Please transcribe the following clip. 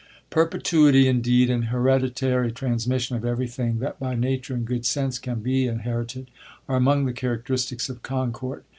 Perpetuity, indeed, and hereditary transmission of everything that by nature and good sense can be inherited, are among the characteristics of Concord.